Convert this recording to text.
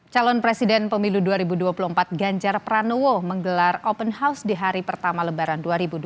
calon presiden pemilu dua ribu dua puluh empat ganjar pranowo menggelar open house di hari pertama lebaran dua ribu dua puluh